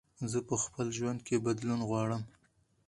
زه په خپل ژوند کې بدلون غواړم.